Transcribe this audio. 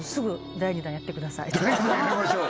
第２弾やりましょう